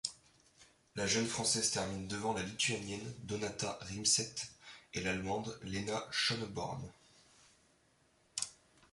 La jeune Française termine devant la Lituanienne Donata Rimsaite et l'Allemande Lena Schöneborn.